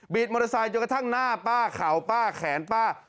ดมอเตอร์ไซค์จนกระทั่งหน้าป้าเข่าป้าแขนป้า